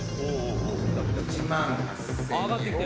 １万８，０００円。